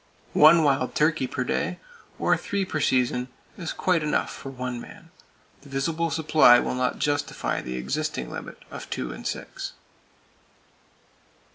One wild turkey per day, or three per season is quite enough for one man. The visible supply will not justify the existing limit of two and six.